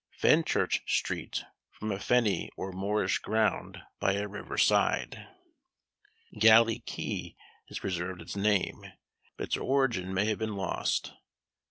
Fenchurch street, from a fenny or moorish ground by a river side. Galley key has preserved its name, but its origin may have been lost.